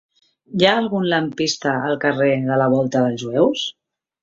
Hi ha algun lampista al carrer de la Volta dels Jueus?